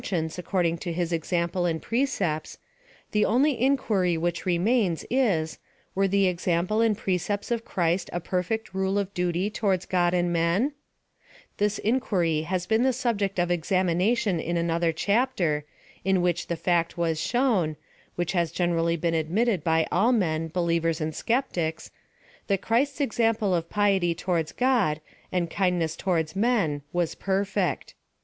205 sxience according to his example and precepts, the only inquiry which remains, is, Were the example and precepts of Christ a perfect rule of duty to wards God and men 1 Tliis inquiry has been the subject of examination in another chapter, in which the fact was shown — which has been generally ad mitted by all men, believers and skeptics — tliat Christ's example of piety towards God, and kind ness towards men, was perfect.